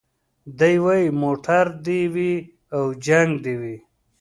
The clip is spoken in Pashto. دی وايي موټر دي وي او جنګ دي وي